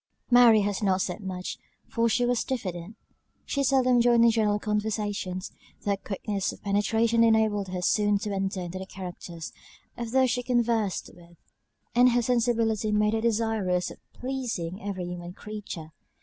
Mary had not said much, for she was diffident; she seldom joined in general conversations; though her quickness of penetration enabled her soon to enter into the characters of those she conversed with; and her sensibility made her desirous of pleasing every human creature.